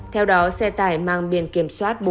theo đó xe tải mang biển kiểm soát